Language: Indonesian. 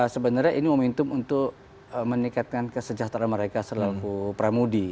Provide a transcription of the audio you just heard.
sebenarnya ini momentum untuk meningkatkan kesejahteraan mereka selaku pramudi